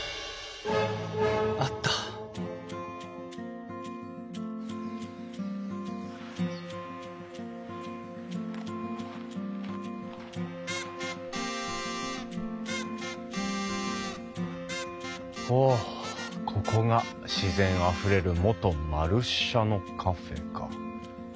あったおここが「自然あふれる元●舎のカフェ」か。